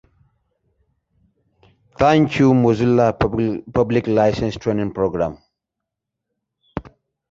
She entered politics as a Democrat.